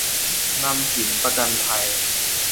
นำสินประกันภัย